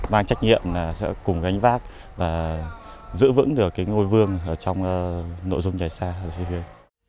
mang trách nhiệm là sẽ cùng gánh vác và giữ vững được cái ngôi vương trong nội dung nhảy xa di cư